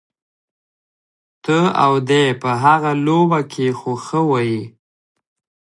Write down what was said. ته او دی په هغه لوبه کي خو خوئ.